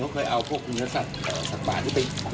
เขาก็พูดติดปลาหัวปลามันก็คือแบบพวกแกงปลาอะไรพวกนี้ไง